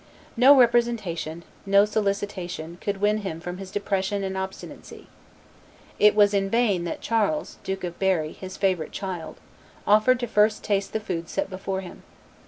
No representation, no solicitation, could win him from his depression and obstinacy. It was in vain that Charles, Duke of Berry, his favorite child, offered to first taste the food set before him.